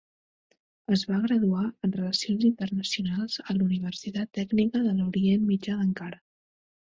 Es va graduar en Relacions Internacionals a la Universitat Tècnica de l'Orient Mitjà d'Ankara.